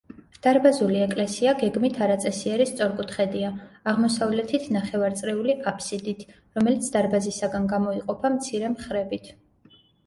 დარბაზული ეკლესია გეგმით არაწესიერი სწორკუთხედია, აღმოსავლეთით ნახევარწრიული აბსიდით, რომელიც დარბაზისაგან გამოიყოფა მცირე მხრებით.